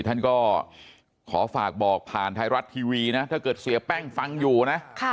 ท่านก็ขอฝากบอกผ่านไทยรัฐทีวีนะถ้าเกิดเสียแป้งฟังอยู่นะ